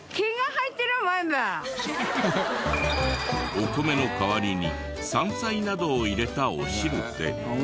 お米の代わりに山菜などを入れたお汁で。